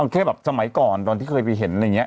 แค่แบบสมัยก่อนตอนที่เคยไปเห็นอะไรอย่างนี้